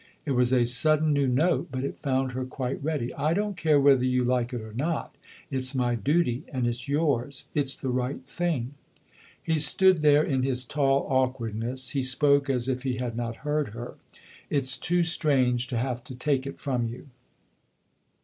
It was a sudden new note, but it found her quite ready. " I don't care whether you like it or not ! It's my duty, and it's yours it's the right thing." He stood there in his tall awkwardness ; he spoke as if he had not heard her. " It's too strange to have to take it from you."